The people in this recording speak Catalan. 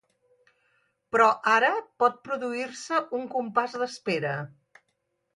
però ara pot produir-se un compàs d'espera